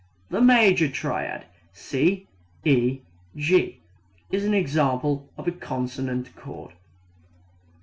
The major triad C E G is an example of a consonant chord.